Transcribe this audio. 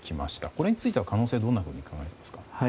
これについては、可能性はどのように考えていますか？